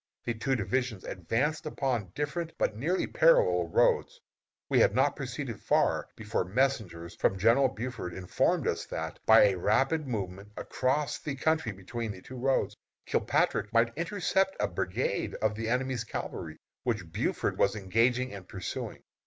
The two divisions advanced upon different but nearly parallel roads. We had not proceeded far before messengers from General Buford informed us that, by a rapid movement across the country between the two roads, Kilpatrick might intercept a brigade of the enemy's cavalry, which Buford was engaging and pursuing.